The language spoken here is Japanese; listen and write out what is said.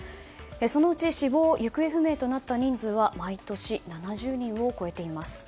そのうち死亡・行方不明となった人数は毎年７０人を超えています。